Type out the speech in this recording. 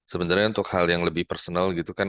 sebenarnya untuk hal yang lebih personal gitu kan